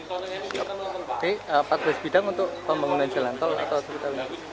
oke empat belas bidang untuk pembangunan jalan tol atau sekitarnya